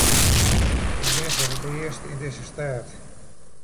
Ik bin foar it earst yn dizze stêd.